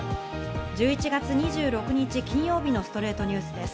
１１月２６日、金曜日の『ストレイトニュース』です。